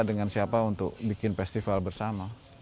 dengan siapa untuk bikin festival bersama